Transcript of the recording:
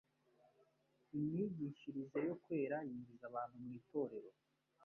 Imyigishirize yo kwera yinjiza abantu mu itorero,